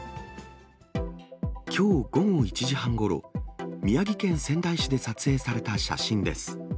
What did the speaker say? きょう午後１時半ごろ、宮城県仙台市で撮影された写真です。